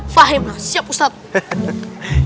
fahim mas siap ustadz